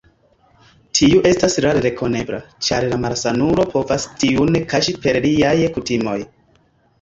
Tiu estas rare rekonebla, ĉar la malsanulo povas tiun kaŝi per liaj kutimoj.